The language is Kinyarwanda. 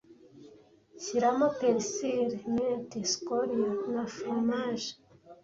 Shyiramo perisile, mint, scallions na fromage